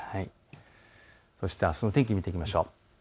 そしてあすの天気を見ていきましょう。